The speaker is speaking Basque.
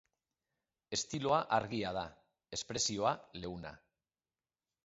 Estiloa argia da, espresioa leuna.